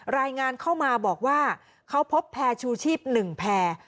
รายงานเข้ามาบอกว่าเขาพบแพร่ชูชีพ๑แพร่